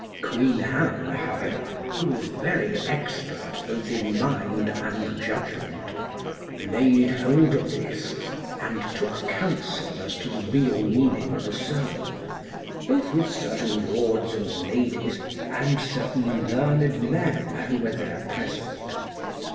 Queen Anne, however, who was very expert both in mind and judgment, laid hold of this, and took counsel as to the real meaning of the sermon, both with certain lords and ladies and certain learned men who were there present.